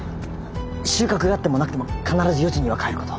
収穫があってもなくても必ず４時には帰ること。